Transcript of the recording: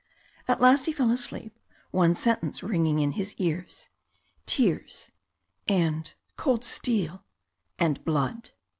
At last he fell asleep, one sentence ringing in his ears "Tears and cold steel and blood!"